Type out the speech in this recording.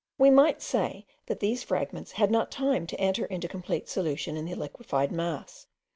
We might say, that these fragments had not time to enter into complete solution in the liquified mass.